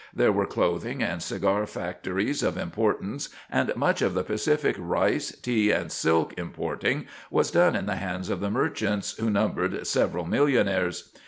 There were clothing and cigar factories of importance, and much of the Pacific rice, tea and silk importing was in the hands of the merchants, who numbered several millionaires.